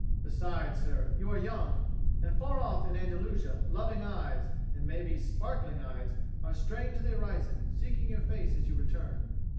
Besides, sir, you are young, and, far off in Andalusia, loving eyes, and maybe sparkling eyes, are strained to the horizon, seeking your face as you return."